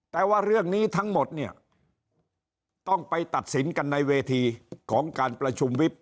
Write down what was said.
แต่ว่าเรื่องนี้ทั้งหมดเนี่ยต้องไปตัดสินกันในเวทีของการประชุมวิบ